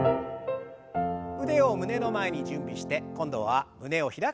腕を胸の前に準備して今度は胸を開く運動です。